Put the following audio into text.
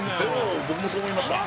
僕もそう思いました